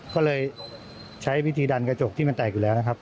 ก็เลยใช้วิธีดันกระจกที่มันแตกอยู่แล้วนะครับ